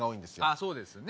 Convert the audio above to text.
あそうですよね。